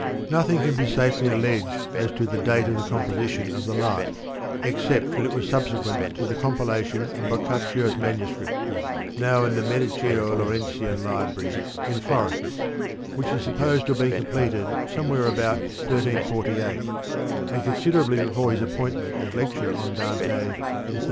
— Nothing can be safely alleged as to the date of the com position of the Life except that it was subsequent to the compilation of Boccaccio's manuscript, now in the Medicaeo Laurentian Library ^ in Florence (which is supposed to have been completed somewhere about 1348), and considerably before his appointment as lecturer on Dante in 1373.